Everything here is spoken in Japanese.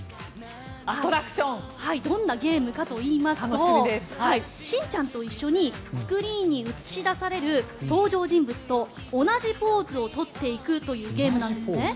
どんなゲームかといいますとしんちゃんと一緒にスクリーンに映し出される登場人物と同じポーズを取っていくというゲームなんですね。